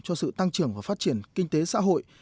cho sự tăng trưởng và phát triển kinh tế xã hội